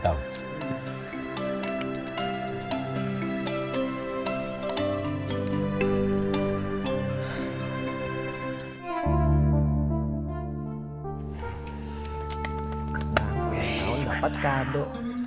dua puluh empat tahun dapat kado